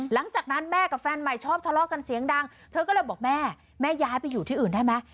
หลังจากนั้นแม่กับแฟนใหม่ชอบทะเลาะกันเสียงดังเธอก็เลยบอกแม่แม่ย้ายไปอยู่ที่อื่นได้ไหม